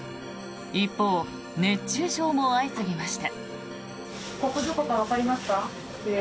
一方、熱中症も相次ぎました。